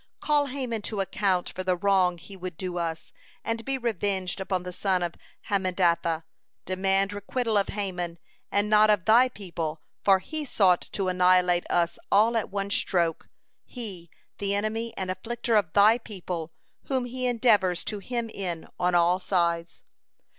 Call Haman to account for the wrong he would do us, and be revenged upon the son of Hammedatha. Demand requital of Haman and not of Thy people, for he sought to annihilate us all at one stroke, he, the enemy and afflicter of Thy people, whom he endeavors to hem in on all sides.